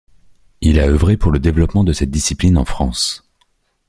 Il a œuvré pour le développement de cette discipline en France.